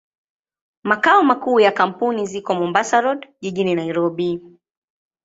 Makao makuu ya kampuni ziko Mombasa Road, jijini Nairobi.